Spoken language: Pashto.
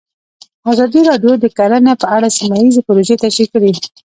ازادي راډیو د کرهنه په اړه سیمه ییزې پروژې تشریح کړې.